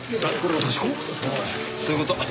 ああそういう事。